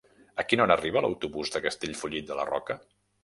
A quina hora arriba l'autobús de Castellfollit de la Roca?